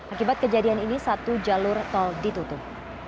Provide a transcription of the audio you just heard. akibat kejadian ini satu jalur tol ditutup